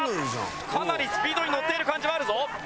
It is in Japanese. かなりスピードにのっている感じはあるぞ。